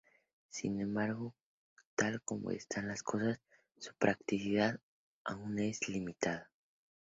Sin embargo, tal como están las cosas, su practicidad aún es limitada.